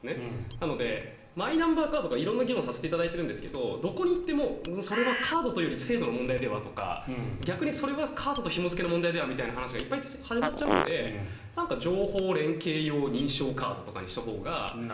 なので、マイナンバーカード色んな議論をさせていただいているんですがどこに行ってもそれはカードというより制度の問題では？とか逆に、それはカードとひも付けの問題ではとかたくさん始まっちゃうので情報連携用認証カードとかにしたほうが。